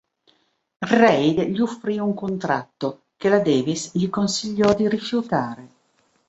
Reid gli offrì un contratto, che la Davis gli consigliò di rifiutare.